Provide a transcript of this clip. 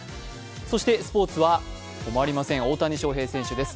そしてスポ−ツは止まりません、大谷翔平選手です。